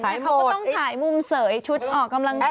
เขาก็ต้องฉายมุมเสยชุดออกกำลังกาย